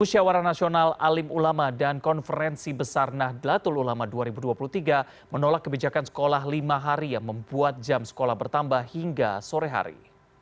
musyawara nasional alim ulama dan konferensi besar nahdlatul ulama dua ribu dua puluh tiga menolak kebijakan sekolah lima hari yang membuat jam sekolah bertambah hingga sore hari